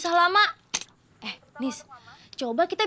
saya masih masih